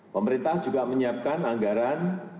pemerintah juga menyiapkan anggaran